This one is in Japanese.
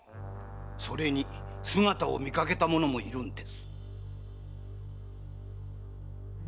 それに姿を見かけた者もいるんです。